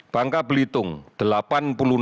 bangka belitung delapan puluh enam tiga persen yang sembuh